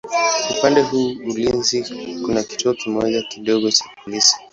Upande wa ulinzi kuna kituo kimoja kidogo cha polisi.